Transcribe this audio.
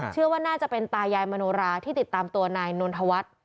เชื่อว่าน่าจะเป็นตายายมโนราที่ติดตามตัวนายนนทวัฒน์